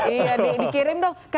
iya dikirim dong